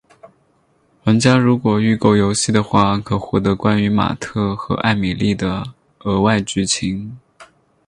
玩家如果预购游戏的话可获得关于马特和艾蜜莉的额外剧情。